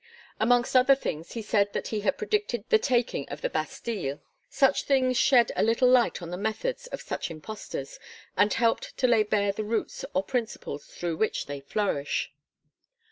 Amongst other things he said that he had predicted the taking of the Bastille. Such things shed a little light on the methods of such impostors, and help to lay bare the roots or principles through which they flourish.